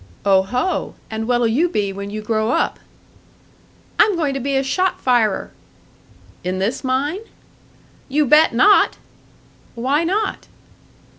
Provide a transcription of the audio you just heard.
"Oho! And what'll you be when you grow up?" "I'm goin' to be a shot firer." "In this mine?" "You bet not!" "Why not?"